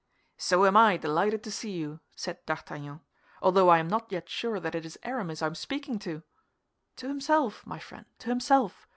"So am I delighted to see you," said D'Artagnan, "although I am not yet sure that it is Aramis I am speaking to." "To himself, my friend, to himself!